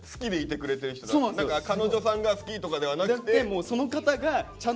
彼女さんが好きとかではなくて。